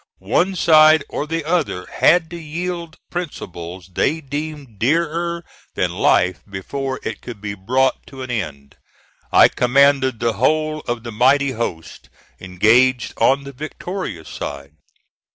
One side or the other had to yield principles they deemed dearer than life before it could be brought to an end. I commanded the whole of the mighty host engaged on the victorious side.